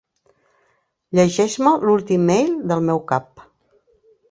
Llegeix-me l'últim email del meu cap.